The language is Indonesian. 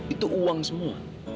itu uang semua